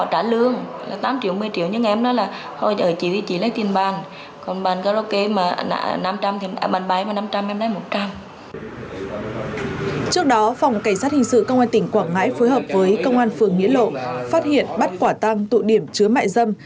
trước đó phòng cảnh sát hình sự công an tỉnh quảng ngãi phối hợp với công an phường nghĩa lộ phát hiện bắt quả tăng tụ điểm chứa mại dâm